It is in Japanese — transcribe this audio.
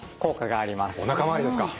おなか回りですか。